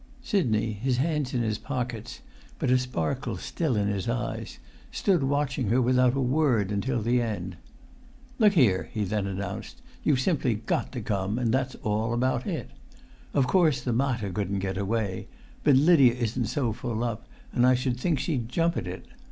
Sidney, his hands in his pockets, but a sparkle still in his eyes, stood watching her without a word until the end. "Look here," he then announced, "you've simply got to come, and that's all about it. Of course the mater couldn't get away, but Lydia isn't so full up, and I should think she'd jump at it.